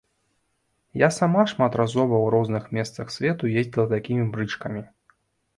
Я сама шматразова ў розных месцах свету ездзіла такімі брычкамі.